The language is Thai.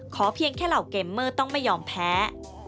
เพียงแค่เหล่าเกมเมอร์ต้องไม่ยอมแพ้